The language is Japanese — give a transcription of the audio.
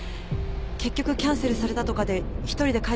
結局キャンセルされたとかで一人で帰ってきましたけど。